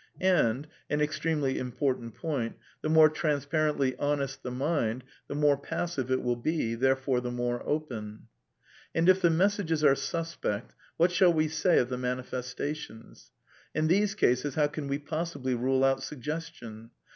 And — an extremely important point — the more transparently honest the mind, the more passive it will be, therefore the more open. And if the messages are suspect, what shall we say of the manifestations? In these cases how can we possibly rule out suggestion